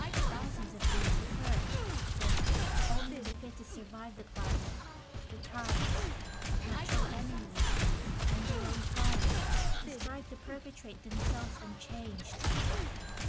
Thousands of these occur, but only the fittest survive the climate, the times, natural enemies, and their own kind, who strive to perpetuate themselves unchanged."